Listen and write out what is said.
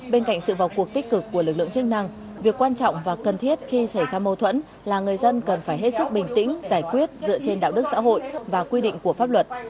bên cạnh sự vào cuộc tích cực của lực lượng chức năng việc quan trọng và cần thiết khi xảy ra mâu thuẫn là người dân cần phải hết sức bình tĩnh giải quyết dựa trên đạo đức xã hội và quy định của pháp luật